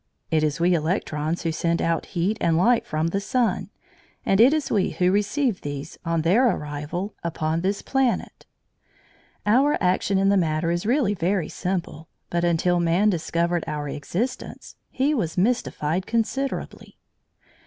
It is we electrons who send out heat and light from the sun, and it is we who receive these on their arrival upon this planet. Our action in the matter is really very simple, but until man discovered our existence, he was mystified considerably.